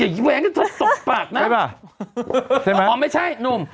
ให้อีนุมอย่าเห็นอีแวนก็ตกปากนะใช่มะเออไม่ใช่นุ่ม